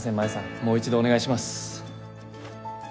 もう一度お願いします。